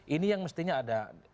ini yang mestinya ada